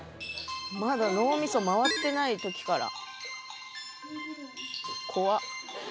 まだ脳みそ回ってない時から怖っ！